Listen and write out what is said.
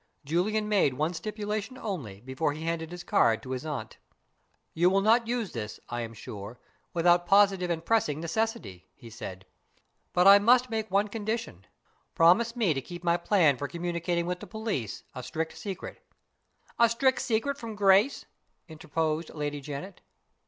Julian made one stipulation only before he handed his card to his aunt. "You will not use this, I am sure, without positive and pressing necessity," he said. "But I must make one condition. Promise me to keep my plan for communicating with the police a strict secret " "A strict secret from Grace?" interposed Lady Janet.